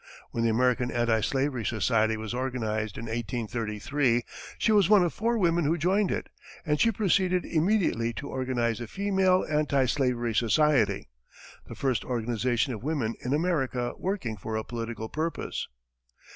When the American Anti Slavery Society was organized in 1833, she was one of four women who joined it, and she proceeded immediately to organize the Female Anti Slavery Society, the first organization of women in America working for a political purpose.